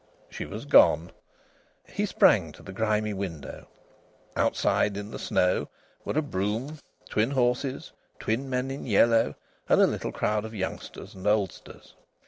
She was gone. He sprang to the grimy window. Outside, in the snow, were a brougham, twin horses, twin men in yellow, and a little crowd of youngsters and oldsters.